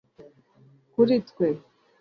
Kuri twe